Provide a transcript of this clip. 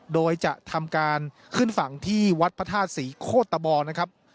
โดยจะทำการขึ้นฝั่งที่วัดพระธาตุศรีโคตะบอนะครับ